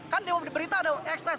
kan di berita ada ekspres